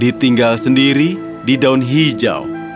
ditinggal sendiri di daun hijau